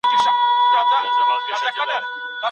د ټکنالوژۍ په شتون کي هم لاس لیکنه ارزښت لري.